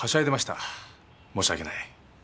申し訳ない。